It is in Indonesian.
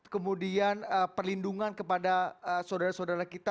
kemudian perlindungan kepada saudara saudara kita